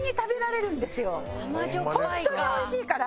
ホントに美味しいから。